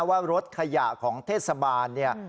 ว่ารถขยะของเทศบาลเนี่ย